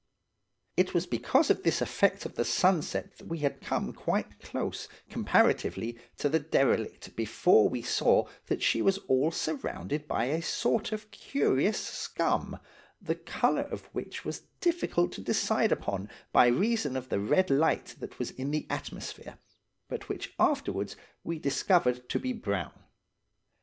"It was because of this effect of the sunset that we had come quite close, comparatively, to the derelict before we saw that she was all surrounded by a sort of curious scum, the colour of which was difficult to decide upon by reason of the red light that was in the atmosphere, but which afterwards we discovered to be brown.